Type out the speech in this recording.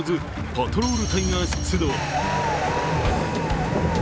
パトロール隊が出動。